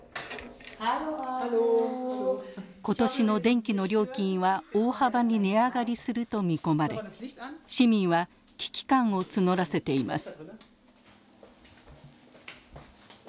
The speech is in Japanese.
今年の電気の料金は大幅に値上がりすると見込まれ市民は危機感を募らせています。